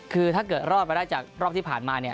คือถ้าเกิดรอดมาได้จากรอบที่ผ่านมาเนี่ย